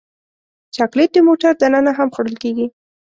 چاکلېټ د موټر دننه هم خوړل کېږي.